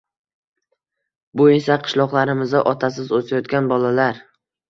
Bu esa qishloqlarimizda otasiz o‘sayotgan bolalar